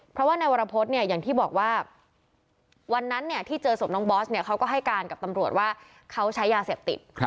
เพราะว่าในวรพฤษเนี่ยอย่างที่บอกว่าวันนั้นที่เจอศพน้องบอสเขาก็ให้การกับตำรวจว่าเขาใช้ยาเสพติด